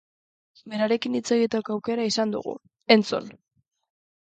Berarekin hitz egiteko aukera izan dugu, entzun!